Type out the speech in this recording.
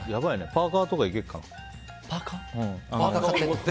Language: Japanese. パーカとかいけるかな。